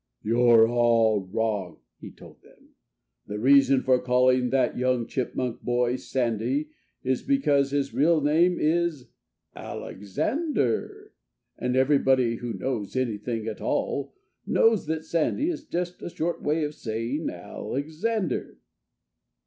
"You're all wrong," he told them. "The reason for calling that young Chipmunk boy Sandy is because his real name is Alexander. And everybody who knows anything at all knows that Sandy is just a short way of saying Alexander."